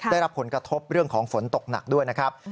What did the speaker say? ได้รับผลกระทบเรื่องของฝนตกหนักด้วยนะครับ